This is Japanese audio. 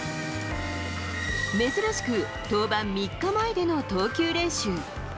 珍しく登板３日前での投球練習。